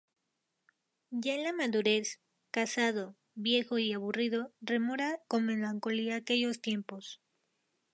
Ya en la madurez, casado, viejo y aburrido, rememora con melancolía aquellos tiempos.